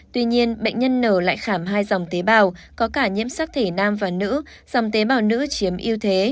tuy nhiên bệnh nhân n lại khảm hai dòng tế bào có cả nhiễm sắc thể nam và nữ dòng tế bào nữ chiếm yêu thế